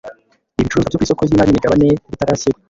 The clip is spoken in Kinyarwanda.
Ibicuruzwa byo ku isoko ry imari n imigabane bitarashyirwa